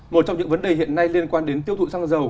một trong những vấn đề hiện nay liên quan đến tiêu thụ xăng dầu